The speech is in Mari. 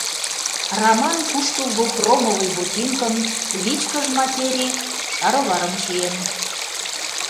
Раман куштылго хромовый ботинкым, вичкыж материй шароварым чиен.